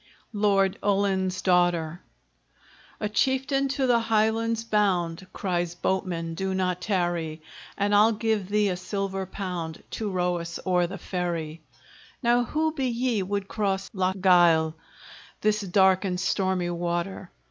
LORD ULLIN'S DAUGHTER A Chieftan, to the Highlands bound, Cries, "Boatman, do not tarry! And I'll give thee a silver pound, To row us o'er the ferry." "Now who be ye, would cross Lochgyle, This dark and stormy water?"